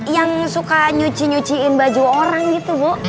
yang suka nyuci nyuciin baju orang gitu bu